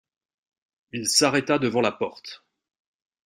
Elle s’arrêta devant la porte.